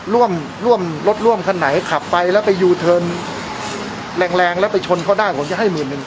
ร่วมร่วมรถร่วมคันไหนขับไปแล้วไปยูเทิร์นแรงแรงแล้วไปชนเขาได้ผมจะให้หมื่นหนึ่ง